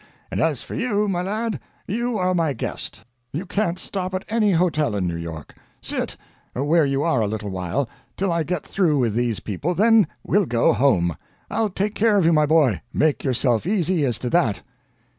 And as for you, my lad, you are my guest; you can't stop at any hotel in New York. Sit. where you are a little while, till I get through with these people, then we'll go home. I'll take care of you, my boy make yourself easy as to that."